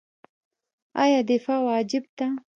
آیا دفاع واجب ده؟